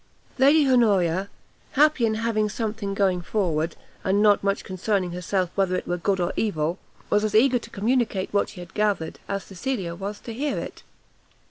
Lady Honoria, happy in having something going forward, and not much concerning herself whether it were good or evil, was as eager to communicate what she had gathered, as Cecilia was to hear it.